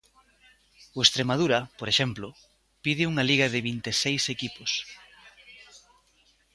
O Estremadura, por exemplo, pide unha Liga de vinte e seis equipos.